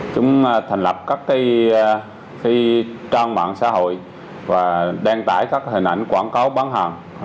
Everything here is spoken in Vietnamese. chúng thành lập các cái trang mạng xã hội và đen tải các hình ảnh quảng cáo bán hàng